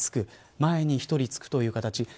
前に１人つくという形。